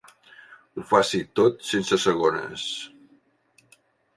Ho faci tot sense segones.